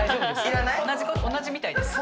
同じみたいです。